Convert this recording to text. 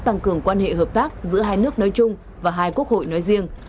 tăng cường quan hệ hợp tác giữa hai nước nói chung và hai quốc hội nói riêng